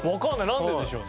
なんででしょう？